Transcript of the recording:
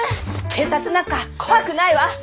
警察なんか怖くないわ！